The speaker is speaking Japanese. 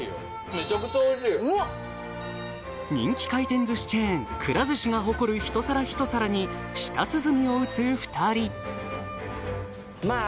人気回転寿司チェーンくら寿司が誇る一皿一皿に舌鼓を打つ二人まあ